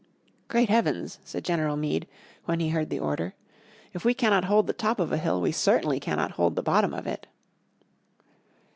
"Great heavens," said General Meade, when he heard the order, "if we cannot hold the top of a hill we certainly cannot hold the bottom of it."